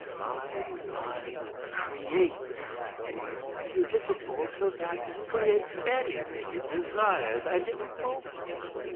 My mind creates! Do you get the force of that? Creates anything it desires and in a moment.